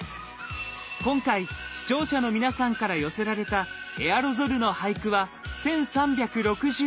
今回視聴者の皆さんから寄せられたエアロゾルの俳句は１，３６９句。